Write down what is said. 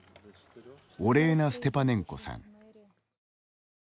オレーナ・ステパネンコさん。